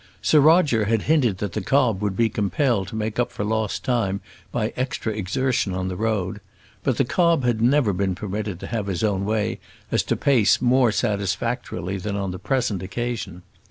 Sir Roger had hinted that the cob would be compelled to make up for lost time by extra exertion on the road; but the cob had never been permitted to have his own way as to pace more satisfactorily than on the present occasion.